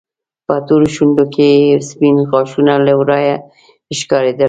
په تورو شونډو کې يې سپين غاښونه له ورايه ښکارېدل.